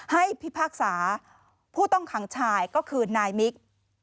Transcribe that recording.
พิพากษาผู้ต้องขังชายก็คือนายมิก